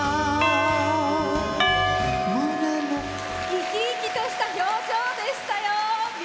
生き生きとした表情でしたよ。